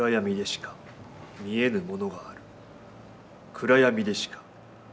暗闇でしか。